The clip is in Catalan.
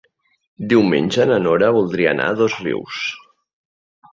Diumenge na Nora voldria anar a Dosrius.